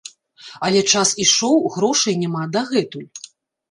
Але час ішоў, грошай няма дагэтуль.